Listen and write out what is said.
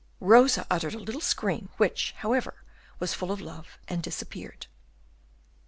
Rosa uttered a little scream, which, however, was full of love, and disappeared.